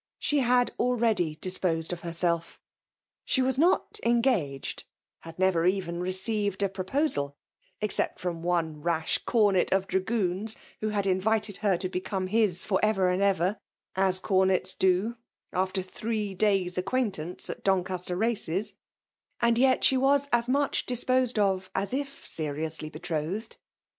She had already disposed of herselC She was not engaged — had never even received a proposal, (except from ouq rash Comet of Dragoons, who had invited her to become his for ever and ever, as Comets B 3 82 nUMA DOHIKATUMC do> after three days* acquaintance at Doncaster BBce%) and yet ahe was at much di0po9ed of as if seriously betrothed.